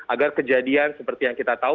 agar kejadian seperti yang kita tahu